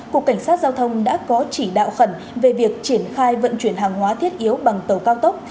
cục cảnh sát giao thông đã có chỉ đạo khẩn về việc triển khai vận chuyển hàng hóa thiết yếu bằng tàu cao tốc